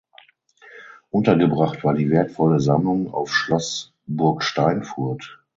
Untergebracht war die wertvolle Sammlung auf Schloss Burgsteinfurt.